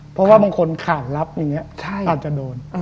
เพราะว่าบางคนขาดลับอย่างนี้อาจจะโดน